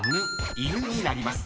［「イヌ」になります。